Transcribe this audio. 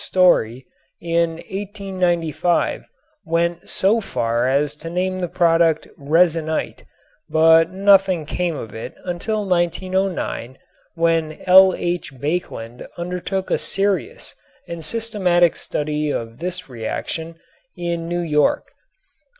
Story in 1895 went so far as to name the product "resinite," but nothing came of it until 1909 when L.H. Baekeland undertook a serious and systematic study of this reaction in New York.